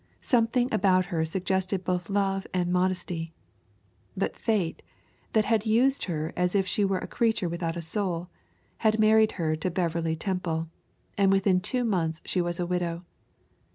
Something about her suggested both love and modesty. But Fate, that had used her as if she were a creature without a soul, had married her to Beverley Temple and within two months she was a widow.